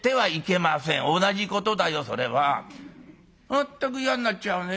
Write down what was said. まったく嫌になっちゃうね。